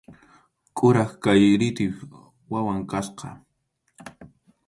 Kuraq kaq ritʼip wawan kasqa.